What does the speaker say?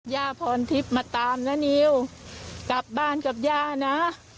ย่าพรทิพย์มาตามนะนิวกลับบ้านกับย่านะ